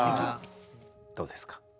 どうですか。